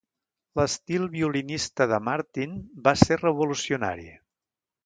L'estil violinista de Martin va ser revolucionari.